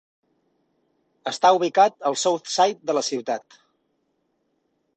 Està ubicat al "South Side" de la ciutat.